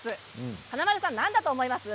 華丸さん何だと思いますか？